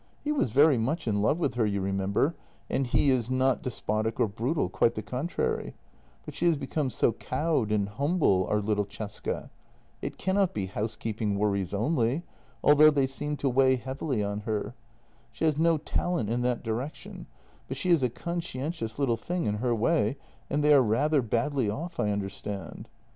He was very much in love with her, you remember, and he in not despotic or brutal — quite the contrary — but she has become so cowed and humble, our little Cesca. It cannot be housekeeping worries only, al though they seemed to weigh heavily on her. She has no talent in that direction, but she is a conscientious little thing in her way, and they are rather badly off, I understand.